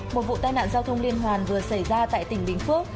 một vụ tai nạn giao thông liên hoàn vừa xảy ra tại tỉnh bình phước